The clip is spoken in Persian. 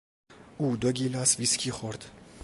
او دو گیلاس ویسکی خورد.